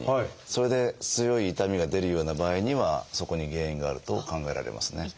それで強い痛みが出るような場合にはそこに原因があると考えられますね。